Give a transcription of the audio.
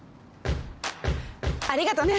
ありがとね！